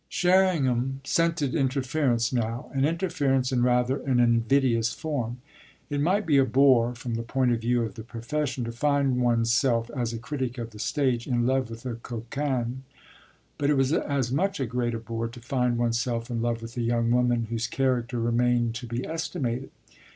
Sherringham scented interference now, and interference in rather an invidious form. It might be a bore, from the point of view of the profession, to find one's self, as a critic of the stage, in love with a coquine; but it was a much greater bore to find one's self in love with a young woman whose character remained to be estimated.